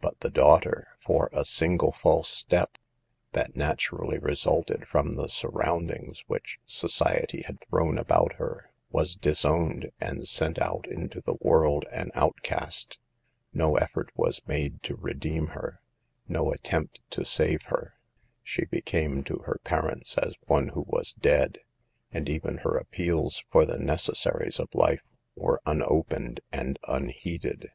But the daughter, for a single false step, that naturally resulted from the surroundings which society had thrown about her, was disowned and sent out into the world an outcast. No ef fort was made to redeem her, no attempt to save her. She became to her parents as one who was dead ; and even her appeals for the necessaries of life were unopened and unheeded.